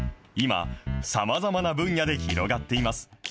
今、さまざまな分野で広がっています。